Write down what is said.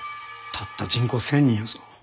たった人口１０００人やぞ。